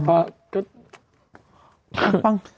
โอ๊ยแต่พอ